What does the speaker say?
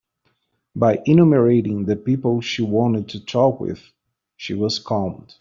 By enumerating the people she wanted to talk with, she was calmed.